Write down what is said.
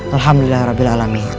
alhamdulillah rabbil alamin